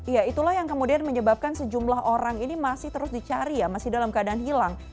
ya itulah yang kemudian menyebabkan sejumlah orang ini masih terus dicari ya masih dalam keadaan hilang